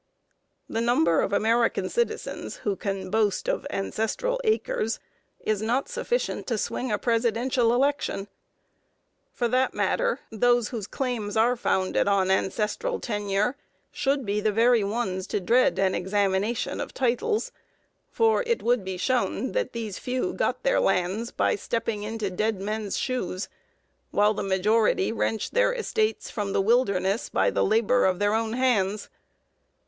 The number of American citizens who can boast of ancestral acres is not sufficient to swing a presidential election. For that matter, those whose claims are founded on ancestral tenure should be the very ones to dread an examination of titles. For it would be shown that these few got their lands by stepping into dead men's shoes, while the majority wrenched their estates from the wilderness by the labor of their own hands.